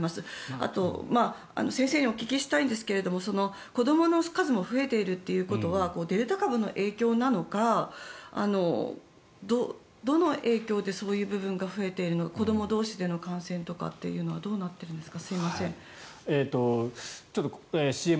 あと、先生にお聞きしたいんですが子どもの数も増えているということはデルタ株の影響なのかどの影響でそういう部分が増えているのか子ども同士の感染とかってのはどうなっているんですか？